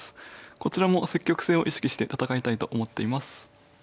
こちらも積極性を意識して戦いたいと思っています。